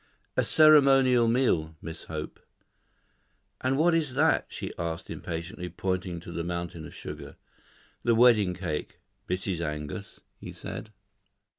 "A ceremonial meal, Miss Hope." "And what is that?" she asked impatiently, pointing to the mountain of sugar. "The wedding cake, Mrs. Angus," he said.